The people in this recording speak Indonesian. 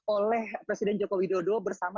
oleh presiden joko widodo bersama